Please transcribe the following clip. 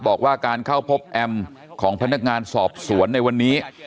บอกว่าการเข้าพบแอมของพนักงานสอบสวนในวันนี้